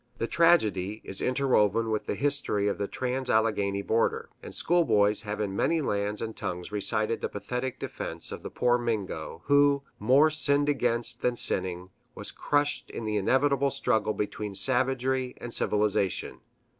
The tragedy is interwoven with the history of the trans Alleghany border; and schoolboys have in many lands and tongues recited the pathetic defense of the poor Mingo, who, more sinned against than sinning, was crushed in the inevitable struggle between savagery and civilization.